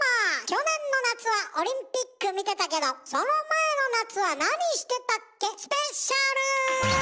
去年の夏はオリンピック見てたけどその前の夏はなにしてたっけ⁉スペシャル！」。